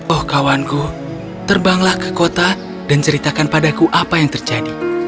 oh kawanku terbanglah ke kota dan ceritakan padaku apa yang terjadi